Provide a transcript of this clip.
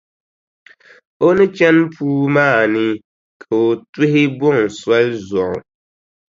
O ni chani puu maa ni, ka o tuhi buŋa soli zuɣu.